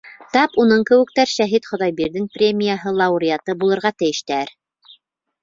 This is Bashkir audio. Тап уның кеүектәр Шәһит Хоҙайбирҙин премияһы лауреаты булырға тейештер.